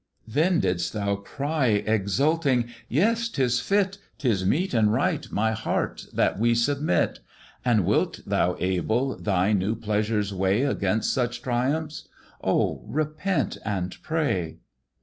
"Then didst thou cry, exulting, 'Yes, 'tis fit, 'Tis meet and right, my heart! that we submit:' And wilt thou, Abel, thy new pleasures weigh Against such triumphs? Oh? repent and pray.